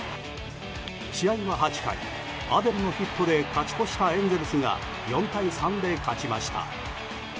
試合は８回、アデルのヒットで勝ち越したエンゼルスが４対３で勝ちました。